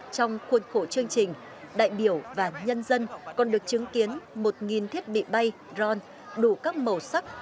trong khuôn khổ chương trình đại biểu và nhân dân còn được chứng kiến một thiết bị bay ron đủ các màu sắc